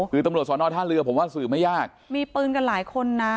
คือตำรวจสอนอท่าเรือผมว่าสืบไม่ยากมีปืนกันหลายคนนะ